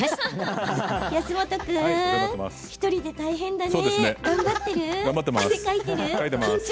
安元君、１人で大変だね。